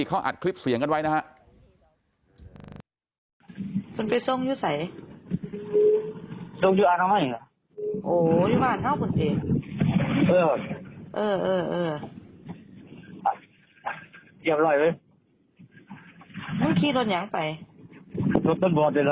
เขาอัดคลิปเสียงกันไว้นะครับ